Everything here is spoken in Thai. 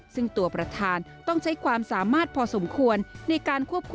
ซึ่งตัวประธานต้องใช้ความสามารถพอสมควร